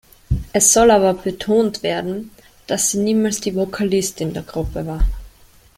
Es soll aber betont werden, dass sie niemals die Vokalistin der Gruppe war.